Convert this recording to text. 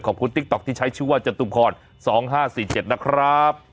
ติ๊กต๊อกที่ใช้ชื่อว่าจตุพร๒๕๔๗นะครับ